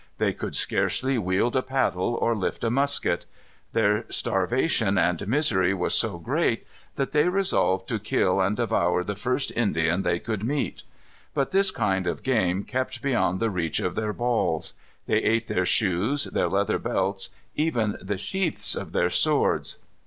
They could scarcely wield a paddle or lift a musket. Their starvation and misery was so great that they resolved to kill and devour the first Indian they could meet. But this kind of game kept beyond the reach of their balls. They ate their shoes, their leather belts, even the sheaths of their swords.